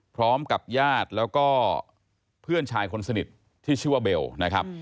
พร้อมกับญาติแล้วก็เพื่อนชายคนสนิทที่ชื่อว่าเบลนะครับ